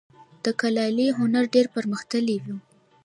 د کلالي هنر ډیر پرمختللی و